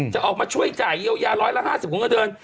จะออกมาช่วยจ่ายเยียวยา๑๐๐ละ๕๐คุณกระเดือน